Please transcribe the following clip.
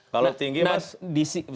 kalau tinggi pak